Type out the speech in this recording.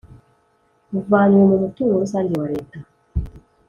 buvanywe mu mutungo rusange wa Leta